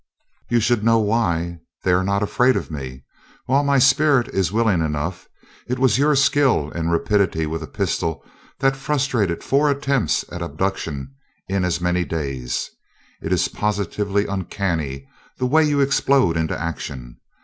"You should know why. They are not afraid of me. While my spirit is willing enough, it was your skill and rapidity with a pistol that frustrated four attempts at abduction in as many days. It is positively uncanny, the way you explode into action.